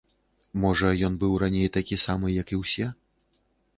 Можа ён быў раней такі самы, як і ўсе?